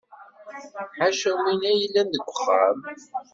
Ḥaca winna i yellan deg uxxam.